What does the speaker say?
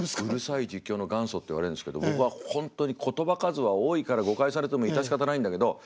うるさい実況の元祖って言われるんですけど僕は本当に言葉数は多いから誤解されても致し方ないんだけど。